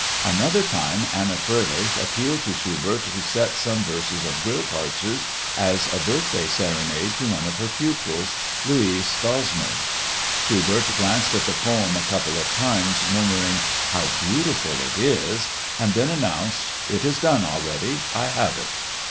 Another time, Anna Fröhlich appealed to Schubert to set some verses of Grillparzer's as a birthday serenade to one of her pupils, Luise Gosmar. Schubert glanced at the poem a couple of times, murmuring "how beautiful it is" and then announced: "It is done already. I have it."